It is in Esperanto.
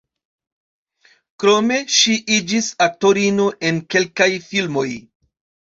Krome ŝi iĝis aktorino en kelkaj filmoj.